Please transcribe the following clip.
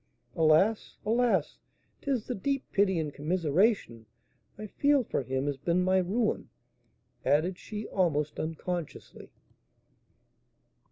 Alas! alas! 'tis the deep pity and commiseration I feel for him has been my ruin," added she, almost unconsciously.